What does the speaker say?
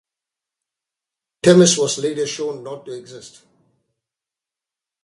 "Themis" was later shown to not exist.